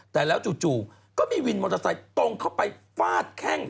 แต่แล้วจู่ก็มีวินมอเตอร์ไซค์ตรงเข้าไปฟาดแข้ง